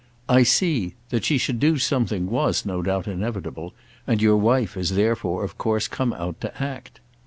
"I see. That she should do something was, no doubt, inevitable, and your wife has therefore of course come out to act."